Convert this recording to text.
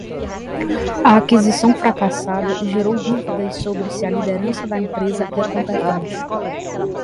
A aquisição fracassada gerou dúvidas sobre se a liderança da empresa é competente.